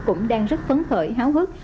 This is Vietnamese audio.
cũng đang rất phấn khởi háo hức